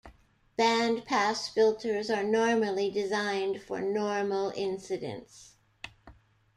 Bandpass filters are normally designed for normal incidence.